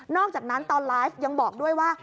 อกจากนั้นตอนไลฟ์ยังบอกด้วยว่า